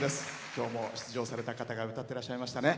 今日も出場された方が歌ってらっしゃいましたね。